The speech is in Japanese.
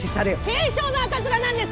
軽症の赤面なんです！